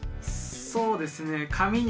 そうですね。